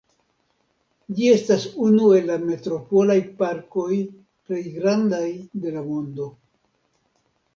Ĝi estas unu el la metropolaj parkoj plej grandaj de la mondo.